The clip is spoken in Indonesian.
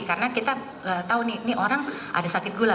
karena kita tahu nih nih orang ada sakit gula